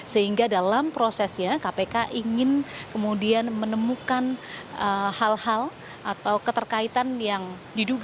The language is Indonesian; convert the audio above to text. sehingga dalam prosesnya kpk ingin kemudian menemukan hal hal atau keterkaitan yang diduga